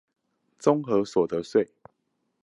綜合所得稅